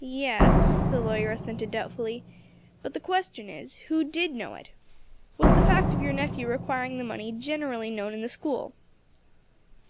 "Yes," the lawyer assented doubtfully; "but the question is, Who did know it? Was the fact of your nephew requiring the money generally known in the school?"